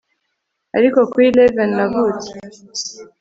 Ariko kuri livin Navutse